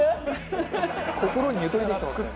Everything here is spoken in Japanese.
心にゆとりできてますね。